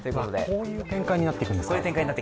こういう展開になっていくんですか。